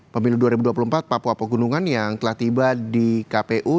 pemilu dua ribu dua puluh empat papua pegunungan yang telah tiba di kpu